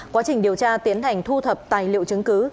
quá trình điều tra tiến hành thu thập tài liệu chứng cứ